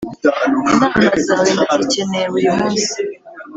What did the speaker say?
inama zawe ndazikeneye buri munsi